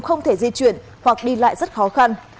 không thể di chuyển hoặc đi lại rất khó khăn